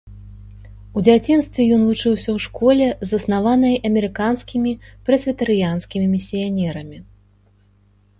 У дзяцінстве ён вучыўся ў школе, заснаванай амерыканскімі прэсвітарыянскімі місіянерамі.